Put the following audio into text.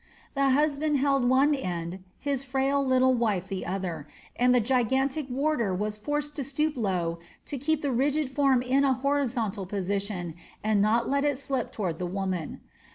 The husband held one end, his fragile little wife the other, and the gigantic warder was forced to stoop low to keep the rigid form in a horizontal position and not let it slip toward the woman.